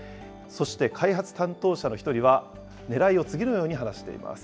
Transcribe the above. そして開発担当者の１人は、ねらいを次のように話しています。